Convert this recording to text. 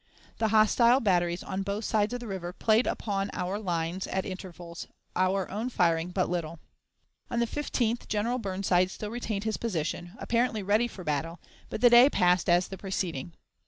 The hostile batteries on both sides of the river played upon our lines at intervals, our own firing but little. On the 15th General Burnside still retained his position, apparently ready for battle, but the day passed as the preceding.